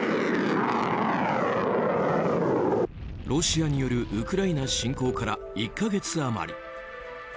ロシアによるウクライナ侵攻から１か月余り。